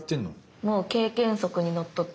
もう経験則にのっとって。